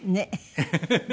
フフフフ。